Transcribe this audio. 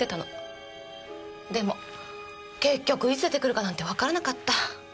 でも結局いつ出てくるかなんてわからなかった。